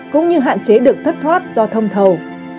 cũng như hạn chế được thất thoát do thông thầu